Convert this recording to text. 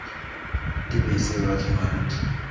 Divya is still working on it.